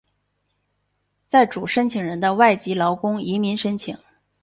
在主申请人的外籍劳工移民申请。